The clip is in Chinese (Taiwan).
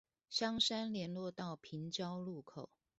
香山聯絡道平交路口